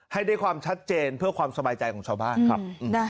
ให้ได้ความชัดเจนเพื่อความสบายใจของชาวบ้านครับ